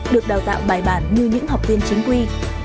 được đào tạo bài bản như những học viên chính quy